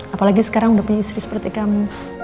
apalagi sekarang udah punya istri seperti kamu